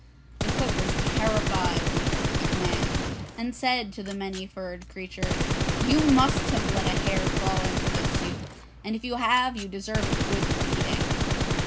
The cook was terrified when he heard the command, and said to the Many furred Creature, 'You must have let a hair fall into the soup, and if you have you deserve a good beating!